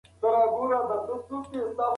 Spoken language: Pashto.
پاڼه به ولې په شمال کې نڅېږي؟